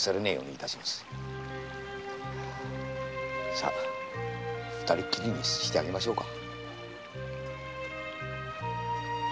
さ二人っきりにしてあげましょうか。